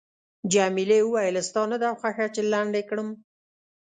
جميلې وويل:، ستا نه ده خوښه چې لنډ یې کړم؟